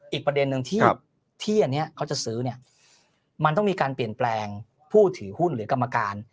อีกประเด็นนึงที่อันนี้เขาจะซื้อเนี่ยมันต้องมีการเปลี่ยนแปลงผู้ถือหุ้นหรือกรรมการ